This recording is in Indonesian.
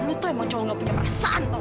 lo tuh emang cowok gak punya perasaan dong